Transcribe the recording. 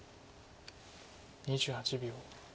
２８秒。